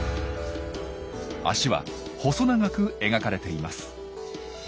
脚は細長く描かれています。